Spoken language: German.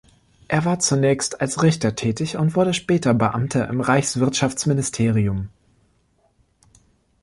Er war zunächst als Richter tätig und wurde später Beamter im Reichswirtschaftsministerium.